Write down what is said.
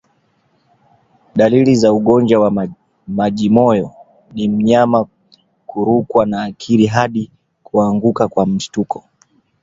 Dalili za ugonjwa wa majimoyo ni mnyama kurukwa na akili hadi kuanguka kwa mshtuko